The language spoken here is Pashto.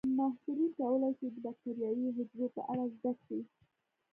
محصلین کولی شي د بکټریايي حجرو په اړه زده کړي.